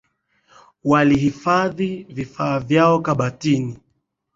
Walihifadhi vifaa vyao kabatini